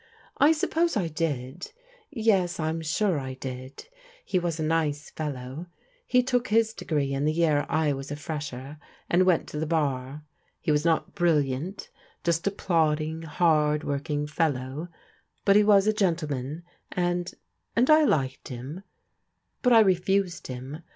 " I suppose I did — ^yes, I am sure I did ; he was a nice f^low. He took his degree in the ye^t \ vi^% ^\\^'^^^> 352 PRODIGAL DAUGHTERS and went to the bar. He was not brilliant — ^just a plod ding, hard working fellow ; but he was a gentleman, and — and I liked him. But I refused him.